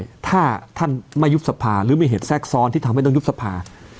ถ้าท่านไม่ยุบสภาหรือมีเหตุแทรกซ้อนที่ทำให้ต้องยุบสภา